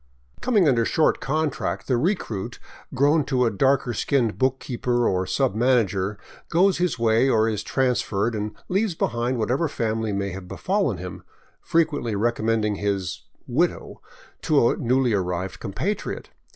Coming under short contract, the recruit, grown to a darker skinned bookkeeper or sub manager, goes his way, or is transferred, and leaves behind whatever family may have befallen him, frequently recommending his " widow " to a newly arrived compatriot.